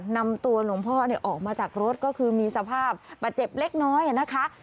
นำตัวหลวงพ่อออกมาจากรถก็คือมีสภาพบาดเจ็บเล็กน้อยนะคะ